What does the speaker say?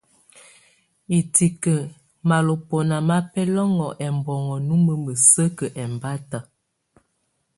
Itǐke malɔbɔna ma bɛlɔnŋɔtɛ ɛmbɔnŋɔ nume məsəkə ɛmbáta.